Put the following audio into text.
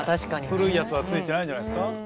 古いやつはついてないんじゃないですか？